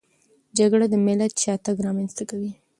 جګړه د ملت شاتګ رامنځته کوي.